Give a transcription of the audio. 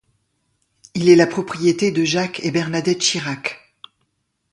Il est la propriété de Jacques et Bernadette Chirac.